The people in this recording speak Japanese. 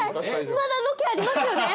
まだロケありますよね。